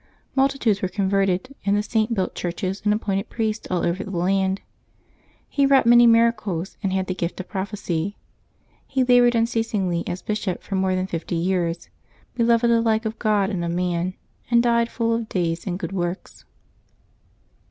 Multitudes were converted, and the Saint built churches and appointed priests all over the land. He wrought many miracles, and had the gift of prophecy. He labored unceasingly as bishop for more than fifty years, beloved alike of God and of man, and died full of days and good works.